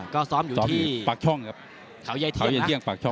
ก็ซ้อมอยู่ที่